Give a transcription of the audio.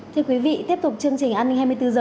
thưa quý vị tiếp tục chương trình an ninh hai mươi bốn h